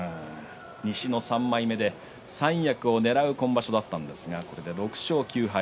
西の３枚目で三役をねらう今場所だったんですが６勝９敗。